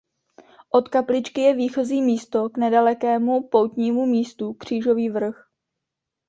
Od kapličky je výchozí místo k nedalekému poutní místo Křížový vrch.